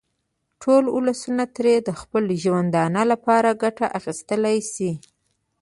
ټول ولسونه ترې د خپل ژوندانه لپاره ګټه اخیستلای شي.